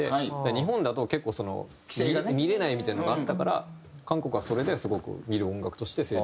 日本だと結構見られないみたいなのがあったから韓国はそれですごく見る音楽として成長したなと。